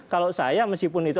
kalau saya meskipun itu